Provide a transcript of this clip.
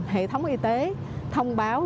hệ thống y tế thông báo